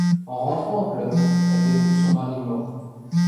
En rentrant au club, elle découvre son mari mort.